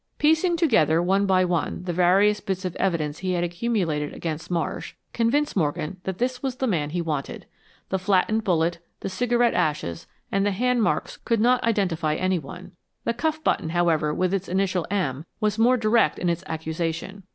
Piecing together, one by one, the various bits of evidence he had accumulated against Marsh, convinced Morgan that this was the man he wanted. The flattened bullet, the cigarette ashes, and the hand marks could not identify anyone. The cuff button, however, with its initial "M" was more direct in its accusation.